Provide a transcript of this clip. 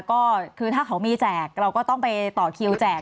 ก็คือถ้าเขามีแจกเราก็ต้องไปต่อคิวแจก